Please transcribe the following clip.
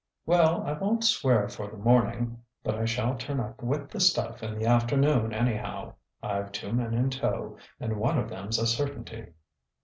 "Well, I won't swear for the morning, but I shall turn up with the stuff in the afternoon anyhow. I've two men in tow, and one of them's a certainty."